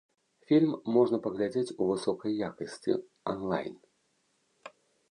Фільм можна паглядзець у высокай якасці анлайн.